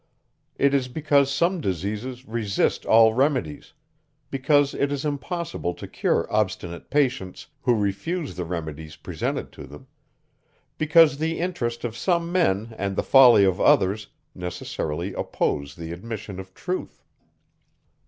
It is because some diseases resist all remedies; because it is impossible to cure obstinate patients, who refuse the remedies presented to them; because the interest of some men, and the folly of others, necessarily oppose the admission of truth.